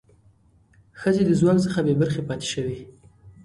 ښځې د ځواک څخه بې برخې پاتې شوې.